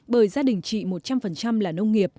bởi gia đình chị một trăm linh là nông nghiệp